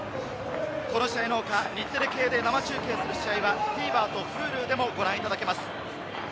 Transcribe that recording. この試合の他、日テレ系で生中継する試合はＴＶｅｒとＨｕｌｕでもご覧いただけます。